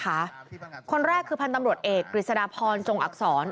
คนแรกคือพนักพนักประการตำรวจเอกกริษฐฏพรจงอักษร